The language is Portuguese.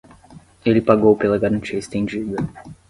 Ele pagou pela garantia extendida